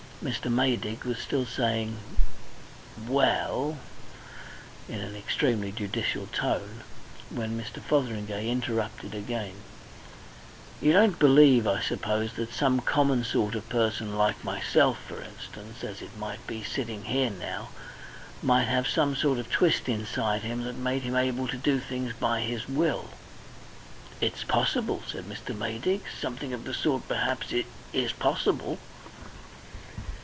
Mr. Maydig was still saying "Well" in an extremely judicial tone, when Mr. Fotheringay interrupted again: "You don't believe, I suppose, that some common sort of person like myself, for instance as it might be sitting here now, might have some sort of twist inside him that made him able to do things by his will." "It's possible," said Mr. Maydig. "Something of the sort, perhaps, is possible."